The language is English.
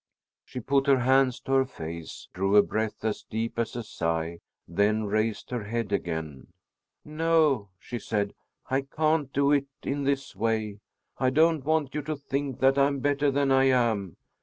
She put her hands to her face, drew a breath as deep as a sigh, then raised her head again. "No!" she said, "I can't do it in this way. I don't want you to think that I'm better than I am.